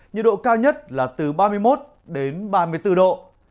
nhiệt độ cao nhất là từ ba mươi một ba mươi bốn độ